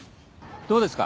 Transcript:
どうですか？